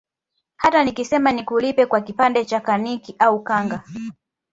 Hata nikisema nikulipe kwa kipande cha kaniki au kanga